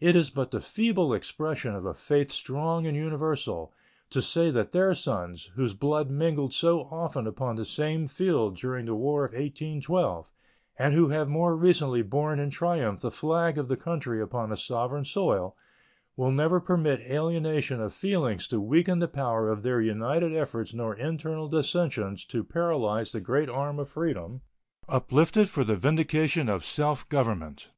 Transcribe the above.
It is but the feeble expression of a faith strong and universal to say that their sons, whose blood mingled so often upon the same field during the War of 1812 and who have more recently borne in triumph the flag of the country upon a foreign soil, will never permit alienation of feeling to weaken the power of their united efforts nor internal dissensions to paralyze the great arm of freedom, uplifted for the vindication of self government.